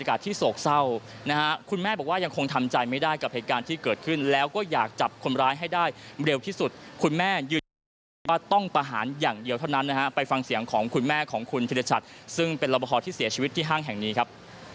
ของคุณแม่ของคุณพิทธิชัตรซึ่งเป็นรับบทธิ์ที่เสียชีวิตที่ห้างแห่งนี้ครับ